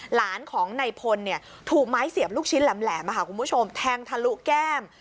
หลานของนายพลถูกไม้เสียบลูกชิ้นแหลมคุณผู้ชมแทงทะลุแก้ม